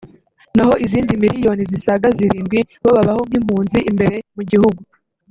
naho izindi miliyoni zisaga zirindwi bo babaho nk’impunzi imbere mu gihugu